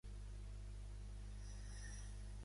La banda va descriure la ruptura com la part de Biohazard.